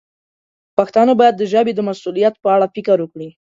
پښتانه باید د ژبې د مسوولیت په اړه فکر وکړي.